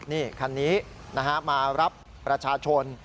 นี่คันนี้มารับประชาชน